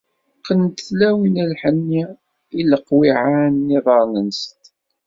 Qqnent tlawin lḥenni i leqwiɛan n yiḍarren-nsent